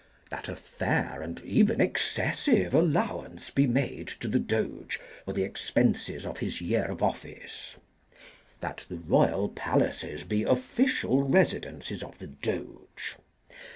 That a fair and even excessive allowance be made to the Doge for the expenses of his year of office. That the royal palaces be official residences of the Doge.